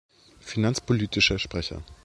Finanzpolitischer Sprecher.